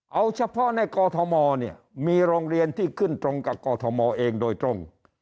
เอาเฉพาะในกอทมเนี่ยมีโรงเรียนที่ขึ้นตรงกับกอทมเองโดยตรง